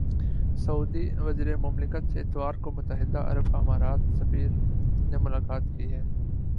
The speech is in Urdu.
سعودی وزیر مملکت سے اتوار کو متحدہ عرب امارات سفیر نے ملاقات کی ہے